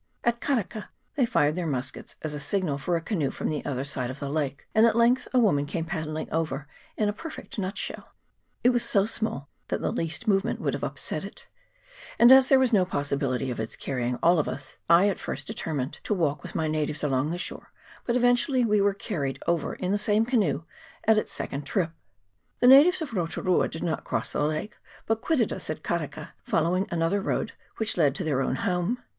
At Kareka they fired their muskets as a signal for a canoe from the other side of the lake, and at length a woman came paddling over in a perfect nutshell : it was so small that the least movement would have upset it ; and as there was no possibility of its carrying all of us, I at first determined to walk with my natives along the shore, but eventually we were carried over in the same canoe at its second trip. The na tives of Rotu rua did not cross the lake, but quitted us at Kareka, following another road which led to their own home.